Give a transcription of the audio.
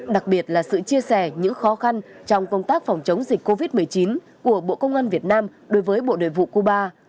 đặc biệt là sự chia sẻ những khó khăn trong công tác phòng chống dịch covid một mươi chín của bộ công an việt nam đối với bộ đội vụ cuba